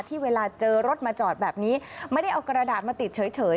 เวลาเจอรถมาจอดแบบนี้ไม่ได้เอากระดาษมาติดเฉย